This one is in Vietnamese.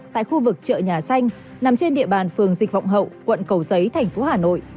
tại khu vực chợ nhà xanh nằm trên địa bàn phường dịch vọng hậu quận cầu giấy thành phố hà nội